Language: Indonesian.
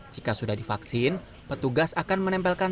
jika sudah divaksin petugas akan menempelkan